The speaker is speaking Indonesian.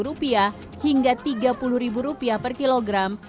rp tiga puluh delapan hingga rp tiga puluh per kilogram